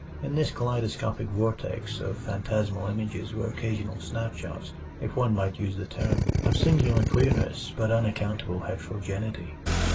In this kaleidoscopic vortex of phantasmal images were occasional snap shots, if one might use the term, of singular clearness but unaccountable heterogeneity.